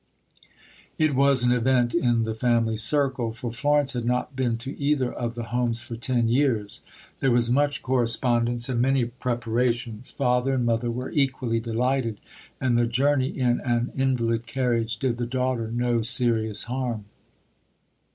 It was an event in the family circle, for Florence had not been to either of the homes for ten years. There was much correspondence and many preparations. Father and mother were equally delighted, and the journey in an invalid carriage did the daughter no serious harm.